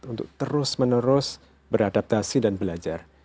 untuk terus menerus beradaptasi dan belajar